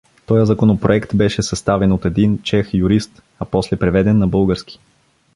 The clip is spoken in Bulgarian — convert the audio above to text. Тоя законопроект беше съставен от един чех-юрист, а после преведен на български.